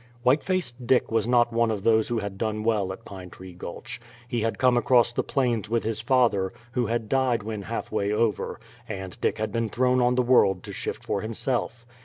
White Faced Dick was not one of those who had done well at Pine Tree Gulch; he had come across the plains with his father, who had died when halfway over, and Dick had been thrown on the world to shift for himself.